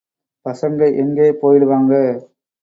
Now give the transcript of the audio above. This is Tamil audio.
பசங்க எங்கே போயிடுவாங்க.